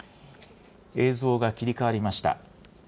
映像が切り替わりました。